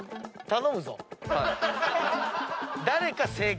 頼むぞ！